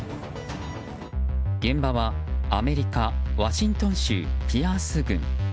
現場はアメリカ・ワシントン州ピアース郡。